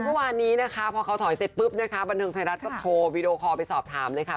เมื่อวานนี้นะคะพอเขาถอยเสร็จปุ๊บนะคะบันเทิงไทยรัฐก็โทรวีดีโอคอลไปสอบถามเลยค่ะ